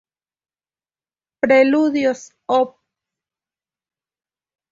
Preludios, Op.